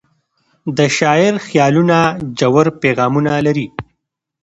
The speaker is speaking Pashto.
د شاعر خیالونه ژور پیغامونه لري.